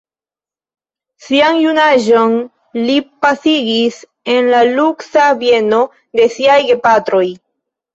Sian junaĝon li pasigis en la luksa bieno de siaj gepatroj.